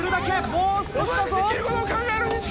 もう少しだぞ。